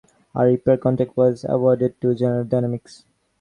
A repair contract was awarded to General Dynamics.